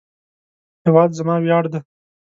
هیواد زما ویاړ دی